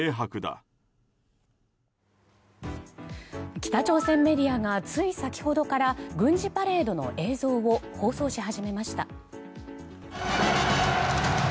北朝鮮メディアがつい先ほどから軍事パレードの映像を放送し始めました。